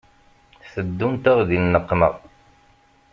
Teddunt-aɣ di nneqma.